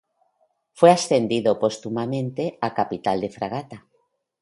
Fue ascendido póstumamente a capitán de fragata.